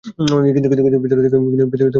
কিন্তু, ভেতরে থেকেও অনেক কিছু শিখেছি।